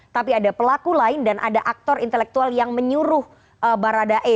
tapi ada pelaku lain dan ada aktor intelektual yang menyuruh baradae